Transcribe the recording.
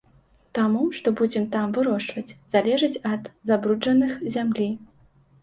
Таму, што будзем там вырошчваць, залежыць ад забруджаных зямлі.